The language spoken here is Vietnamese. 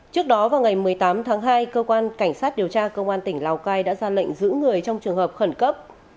trước đó vào ngày một mươi tám tháng hai cơ quan cảnh sát điều tra công an tỉnh lào cai đã ra lệnh giữ người trong trường hợp khẩn cấp